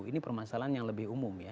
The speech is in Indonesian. ini permasalahan yang lebih umum ya